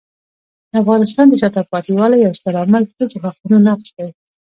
د افغانستان د شاته پاتې والي یو ستر عامل ښځو حقونو نقض دی.